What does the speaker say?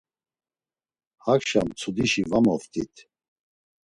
Hakşa mtsudişi va moft̆it.